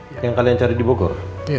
itu yang kalian cari di bogor